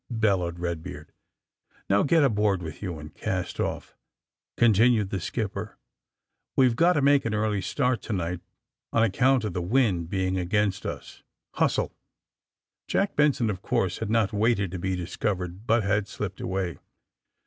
bellowed Eedbeard. '^Now, get aboard with you and cast off!" continued the skipper. ^' We Ve got to make an early start to night on account of the wind being against us. Hustle!" Jack Benson, of course, had not waited to be discovered, but had slipped away.